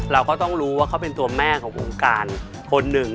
เราก็ต้องรู้ว่าเขาเป็นตัวแม่ของวงการคนหนึ่ง